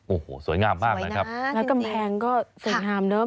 โอ้โหสวยงามมากและกำแพงก็สวยงามเนอะ